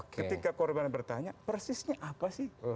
ketika korban bertanya persisnya apa sih